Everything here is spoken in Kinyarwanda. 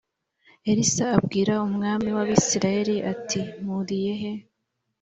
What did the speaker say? Elisa abwira umwami w Abisirayeli ati Mpuriye he